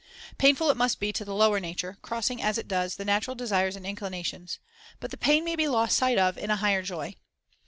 Painful it must be to the lower nature, crossing, as it does, the natural desires and inclinations; but the pain may be lost sight of in a higher joy.